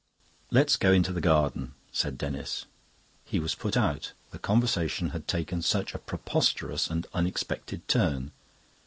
"Let's go into the garden," said Denis. He was put out; the conversation had taken such a preposterous and unexpected turn.